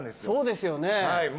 そうですよね！